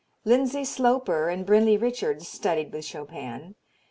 Lindsay Sloper and Brinley Richards studied with Chopin.